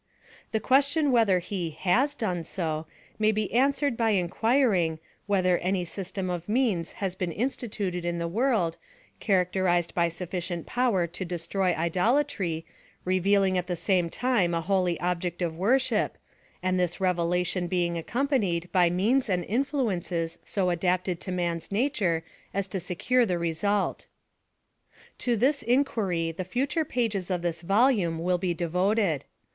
The question whether he has done so, may be answered by enquiring, whether any sys tern of means has been instituted in the world, char acterized by sufficient power to destroy idolatry — revealing at the same time a holy object of worship — and this revelation being accompanied by means and influences so adapted to man's nature as to se cure the result. To this inquiry the future pages of this volume will be devoted.